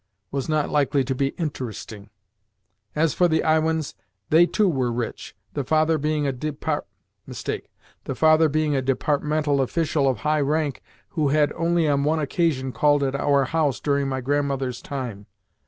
was not likely to be interesting. As for the Iwins, they too were rich the father being a departmental official of high rank who had only on one occasion called at our house during my grandmother's time.